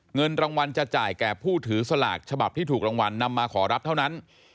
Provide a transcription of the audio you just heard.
เงินรางวัลจะจ่ายแก่ผู้ถือสลากฉบับที่ถูกรางวัลนำมาขอรับเท่านั้น